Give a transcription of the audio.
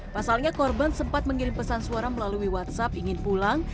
pasalnya korban sempat mengirim pesan suara melalui whatsapp ingin pulang